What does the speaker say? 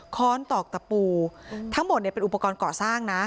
้อนตอกตะปูทั้งหมดเนี่ยเป็นอุปกรณ์ก่อสร้างนะ